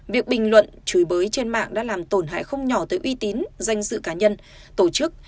việc bình luận chửi bới trên mạng đã làm tổn hại không nhỏ tới uy tín danh dự cá nhân tổ chức